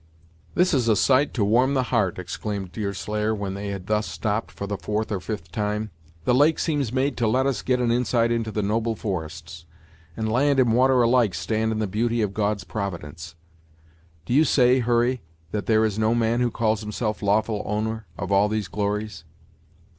"This is a sight to warm the heart!" exclaimed Deerslayer, when they had thus stopped for the fourth or fifth time; "the lake seems made to let us get an insight into the noble forests; and land and water alike stand in the beauty of God's providence! Do you say, Hurry, that there is no man who calls himself lawful owner of all these glories?"